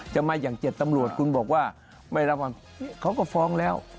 จะมาอย่างเจ็ดตำรวจคุณบอกว่าเขาก็ฟ้องแล้ว